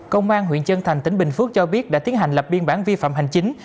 công an huyện chân thành tỉnh bình phước cho biết đã tiến hành lập biên bản vi phạm hành chính